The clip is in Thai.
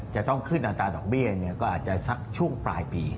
จะต้องขึ้นอัตราดอกเบี้ยก็อาจจะสักช่วงปลายปี